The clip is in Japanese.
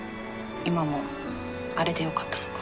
今もあれでよかったのか。